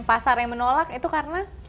pasar yang menolak itu karena